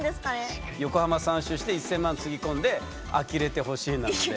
「横浜３周して１，０００万つぎ込んであきれてほしい」なので。